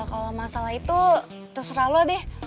kalau masalah itu terserah lo deh